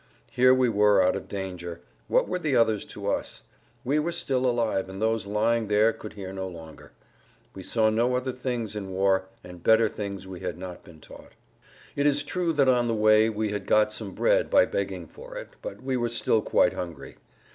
Here we were out of danger. What were the others to us? We were still alive and those lying there could hear no longer. We saw no other things in war, and better things we had not been taught. It is true that on the way we had got some bread by begging for it, but we were still quite hungry.